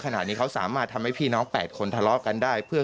ขณะนี้เขาสามารถทำให้พี่น้อง๘คนทะเลาะกันได้เพื่อ